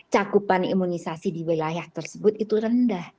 cakupan imunisasi di wilayah tersebut itu rendah